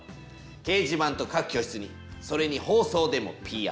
掲示板と各教室にそれに放送でもＰＲ。